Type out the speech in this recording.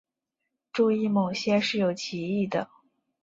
注意某些是有歧义的。